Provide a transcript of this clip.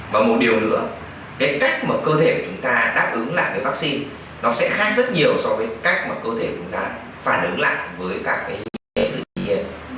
và một điều nữa cái cách mà cơ thể của chúng ta đáp ứng lại với vaccine nó sẽ khác rất nhiều so với cách mà cơ thể của chúng ta phản ứng lại với các cái nhiễm tự nhiên